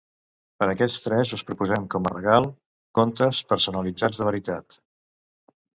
Per aquests tres us proposem com a regal contes personalitzats de veritat.